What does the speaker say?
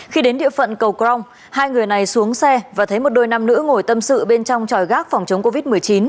khi đến địa phận cầu crong hai người này xuống xe và thấy một đôi nam nữ ngồi tâm sự bên trong tròi gác phòng chống covid một mươi chín